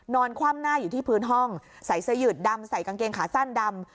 คว่ำหน้าอยู่ที่พื้นห้องใส่เสื้อยืดดำใส่กางเกงขาสั้นดำ